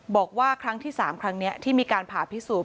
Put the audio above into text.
บอกว่าครั้งที่๓ครั้งนี้ที่มีการผ่าพิสูจน